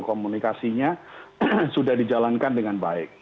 komunikasinya sudah dijalankan dengan baik